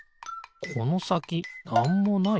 このさきなんもない？